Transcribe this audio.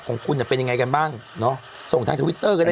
ของคุณเป็นยังไงกันบ้างเนอะส่งทางทวิตเตอร์ก็ได้